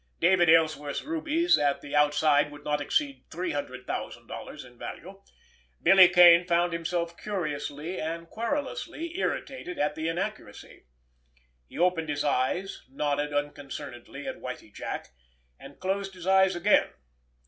David Ellsworth's rubies at the outside would not exceed three hundred thousand dollars in value. Billy Kane found himself curiously and querulously irritated at the inaccuracy. He opened his eyes, nodded unconcernedly at Whitie Jack—and closed his eyes again.